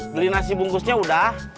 beli nasi bungkusnya udah